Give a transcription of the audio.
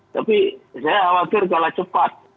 tapi saya khawatir kalah cepat